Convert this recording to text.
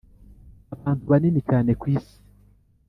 abantu banini cyane ku isi